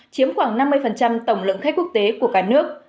chiếm khoảng năm mươi tổng lượng khách quốc tế của cả nước